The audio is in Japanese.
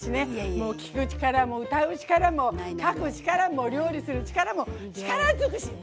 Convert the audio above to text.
もう聞く力も歌う力も書く力も料理する力も力尽くし！